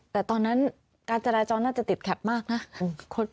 แต่ตอนนั้นการจราจรน่าจะติดขัดมากนะ